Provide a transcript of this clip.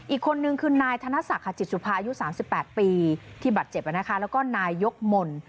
อีกคนนึงคือนายธนศักดิ์จิตสุภาอายุ๓๘ปีที่บัตรเจ็บแล้วก็นายยกมนต์